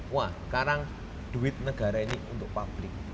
wah sekarang duit negara ini untuk publik